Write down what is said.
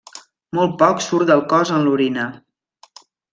Molt poc surt del cos en l'orina.